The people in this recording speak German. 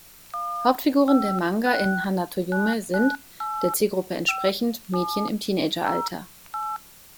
Hauptfiguren der Manga in "Hana to Yume" sind, der Zielgruppe entsprechend, Mädchen im Teenager-Alter.